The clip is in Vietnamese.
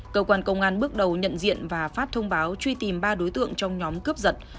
cơ quan công an bước đầu nhận diện và phát thông báo truy tìm ba đối tượng trong nhóm cướp giật